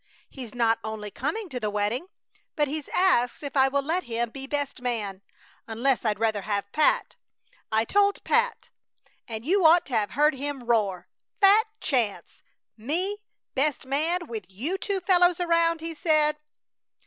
He's not only coming to the wedding, but he's asked if I will let him be best man, unless I'd rather have Pat! I told Pat, and you ought to have heard him roar. "Fat chance! Me best man, with you two fellows around!" he said.